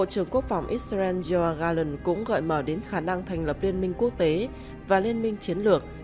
nội các israel cũng gọi mở đến khả năng thành lập liên minh quốc tế và liên minh chiến lược